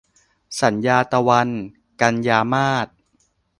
สัญญาตะวัน - กันยามาส